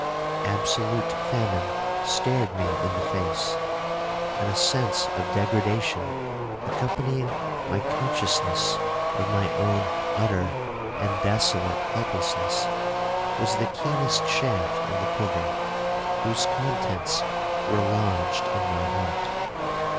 Absolute famine stared me in the face, and a sense of degradation accompanying my consciousness of my own utter and desolate helplessness, was the keenest shaft in the quiver, whose contents were lodged in my heart.